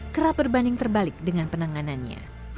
kerap berbanding terbalik dengan penanganannya